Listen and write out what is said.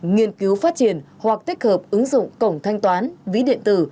nghiên cứu phát triển hoặc tích hợp ứng dụng cổng thanh toán ví điện tử